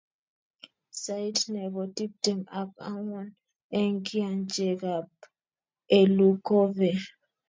sait ne bo tiptem ak ang'wan eng kianchekab Elukove.